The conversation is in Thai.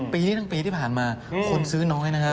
ปีนี้ทั้งปีที่ผ่านมาคนซื้อน้อยนะฮะ